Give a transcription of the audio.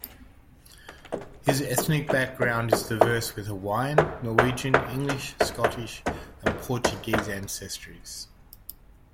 His ethnic background is diverse with Hawaiian, Norwegian, English, Scottish, and Portuguese ancestries.